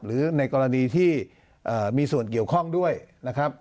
หรือในกรณีที่มีส่วนเกี่ยวข้องด้วยนะครับ